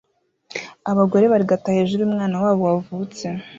Abagore barigata hejuru yumwana wabo wavutse